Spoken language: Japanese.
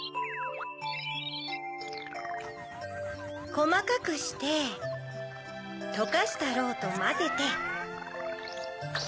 こまかくして。とかしたロウとまぜて。